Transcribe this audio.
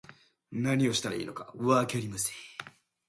何をしたらいいのかわかりません